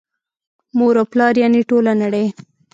مور او پلار یعني ټوله نړۍ